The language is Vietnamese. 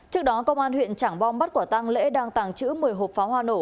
trước đó công an huyện trảng bom bắt quả tăng lễ đang tàng trữ một mươi hộp pháo hoa nổ